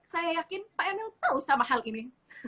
saya yakin pak emil tahu sama hal ini